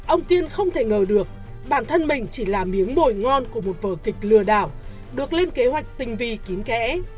ông kiên không thể ngờ được bản thân mình chỉ là miếng mồi ngon của một vờ kịch lừa đảo được lên kế hoạch tình vi kín kẽ